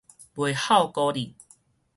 袂孝孤得